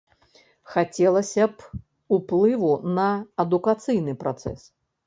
Хацелася б уплыву на адукацыйны працэс.